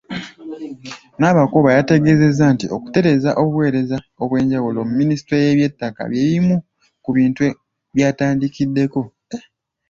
Nabakooba yategeezezza nti okutereeza obuweereza obwenjawulo mu Minisitule y'ebyettaka bye bimu ku bintu by'atandikiddeko.